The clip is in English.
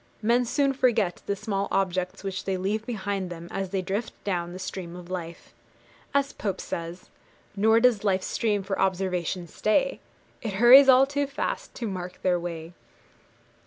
Men soon forget the small objects which they leave behind them as they drift down the stream of life. As Pope says Nor does life's stream for observation stay; It hurries all too fast to mark their way.